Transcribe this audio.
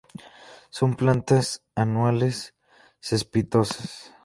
Son plantas anuales cespitosas.